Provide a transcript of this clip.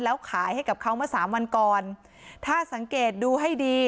แล้วขายให้กับเขาเมื่อสามวันก่อนถ้าสังเกตดูให้ดี